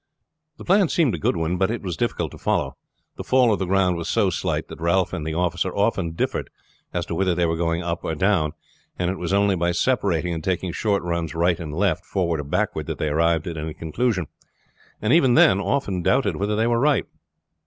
The plan seemed a good one, but it was difficult to follow. The fall of the ground was so slight that Ralph and the officer often differed as to whether they were going up or down, and it was only by separating and taking short runs right and left, forward or backward, that they arrived at any conclusion, and even then often doubted whether they were right.